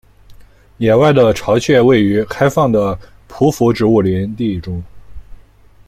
野外的巢穴位于开放的匍匐植物林地中。